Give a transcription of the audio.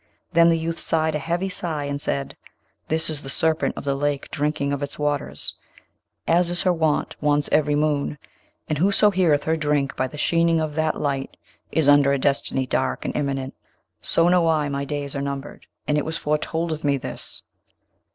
Then the youth sighed a heavy sigh and said, 'This is the Serpent of the Lake drinking of its waters, as is her wont once every moon, and whoso heareth her drink by the sheening of that light is under a destiny dark and imminent; so know I my days are numbered, and it was foretold of me, this!'